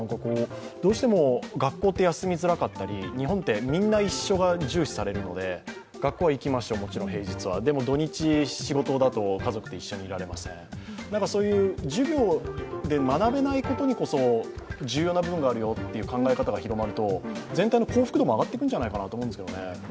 どうしても学校って休みづらかったり、日本ってみんな一緒が重視されるので平日は学校に行きましょう、でも土日、仕事だと家族と一緒にいられません、そういう授業で学べないことにこそ重要な部分があるよという考え方が広がると全体の幸福度も上がっていくんじゃないかと思うんですけどね。